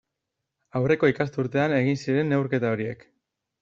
Aurreko ikasturtean egin ziren neurketa horiek.